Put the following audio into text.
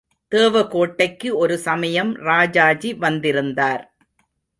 தேவகோட்டைக்கு ஒரு சமயம் ராஜாஜி வந்திருந்தார்.